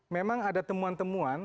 memang ada temuan temuan